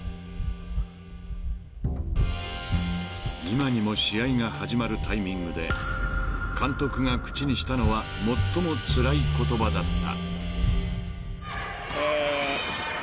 ［今にも試合が始まるタイミングで監督が口にしたのは最もつらい言葉だった］